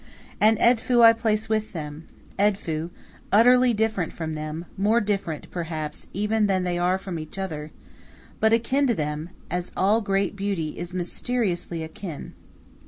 And Edfu I place with them Edfu utterly different from them, more different, perhaps, even than they are from each other, but akin to them, as all great beauty is mysteriously akin.